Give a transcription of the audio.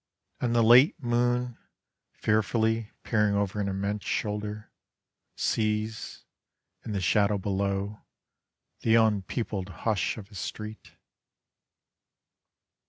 And the late moon, fearfully peering over an immense shoulder, Sees, in the shadow below, the unpeopled hush of a street.